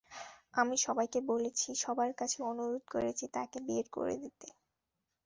আমি সবাইকে বলেছি, সবার কাছে অনুরোধ করেছি তাঁকে বের করে দিতে।